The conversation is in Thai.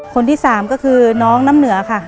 คนที่สามก็คือน้องน้ำเหนือค่ะ